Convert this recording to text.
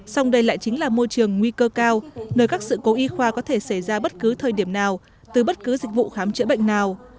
song đây lại chính là môi trường nguy cơ cao nơi các sự cố y khoa có thể xảy ra bất cứ thời điểm nào từ bất cứ dịch vụ khám chữa bệnh nào